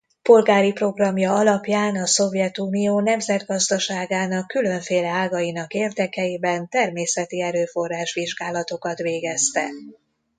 Polgári programja alapján a Szovjetunió nemzetgazdaságának különféle ágainak érdekeiben természeti erőforrás vizsgálatokat végezte.